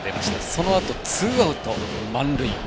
そのあと、ツーアウト、満塁。